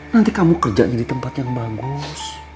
nanti kamu kerjanya di tempat yang bagus